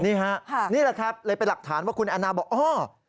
นี่ครับนี่แหละครับเลยเป็นหลักฐานว่าคุณอันนาบอก